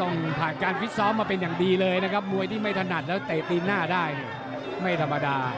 ต้องผ่านการฟิตซ้อมมาเป็นอย่างดีเลยนะครับมวยที่ไม่ถนัดแล้วเตะตีนหน้าได้ไม่ธรรมดา